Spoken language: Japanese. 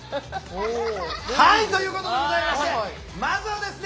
はいということでございましてまずはですね